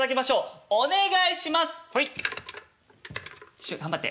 師匠頑張って。